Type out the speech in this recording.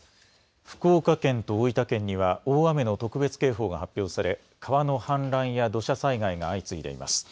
福岡県と大分県には大雨の特別警報が発表され、川の氾濫や土砂災害が相次いでいます。